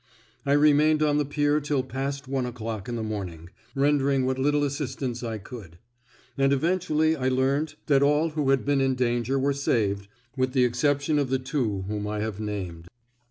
I remained on the pier till past one o'clock in the morning, rendering what little assistance I could; and eventually I learnt that all who had been in danger were saved, with the exception of the two whom I have named.